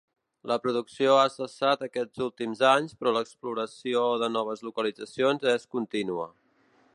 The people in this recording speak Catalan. La producció ha cessat aquests últims anys però l'exploració de noves localitzacions és contínua.